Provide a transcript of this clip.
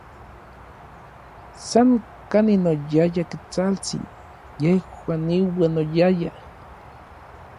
San kanin oyaya Ketsaltsin, yejuan iuan oyayaj.